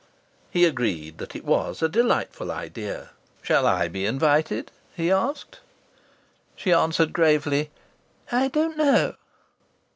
He agreed that it was a delightful idea. "Shall I be invited?" he asked. She answered gravely, "I don't know."